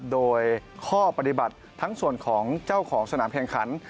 โดยข้อปฏิบัติทั้งส่วนของเจ้าของสนามแข่งขัน